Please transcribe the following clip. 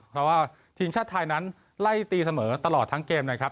เพราะว่าทีมชาติไทยนั้นไล่ตีเสมอตลอดทั้งเกมนะครับ